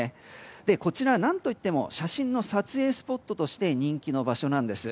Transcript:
こちら、何といっても写真の撮影スポットとして人気の場所なんです。